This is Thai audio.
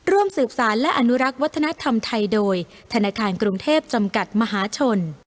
ร่วมสืบสารและอนุรักษ์วัฒนธรรมไทยโดยธนาคารกรุงเทพจำกัดมหาชน